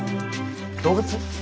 動物？